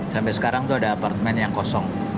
sampai sekarang itu ada apartemen yang kosong